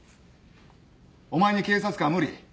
お前に警察官は無理。